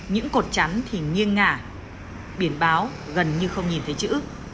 những cột chắn thì nghiêng ngả biển báo gần như không nhìn thấy chữ